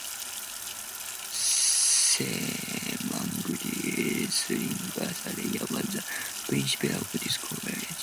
Semmangudi Srinivasa Iyer was the principal of this college.